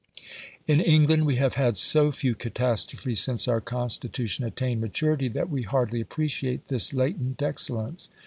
In England we have had so few catastrophes since our Constitution attained maturity, that we hardly appreciate this latent excellence.